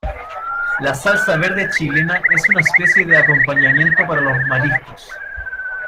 La salsa verde chilena es una especie de acompañamiento para los mariscos.